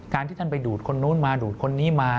ที่ท่านไปดูดคนนู้นมาดูดคนนี้มา